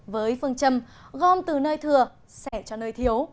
với phương châm gom từ nơi thừa sẻ cho nơi thiếu